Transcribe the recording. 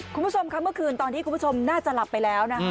คุณผู้ชมค่ะเมื่อคืนตอนที่คุณผู้ชมน่าจะหลับไปแล้วนะ